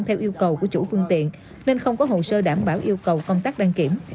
theo yêu cầu của chủ phương tiện nên không có hồ sơ đảm bảo yêu cầu công tác đăng kiểm